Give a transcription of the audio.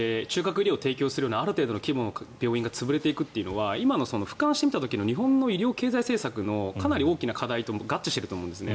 医療を提供するようなある程度の規模の病院が潰れていくというのは今の俯瞰して見た時の日本の医療経済政策のかなり大きな課題とも合致していると思うんです。